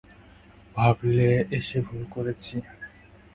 ভাবলে এসে ভুল করেছি।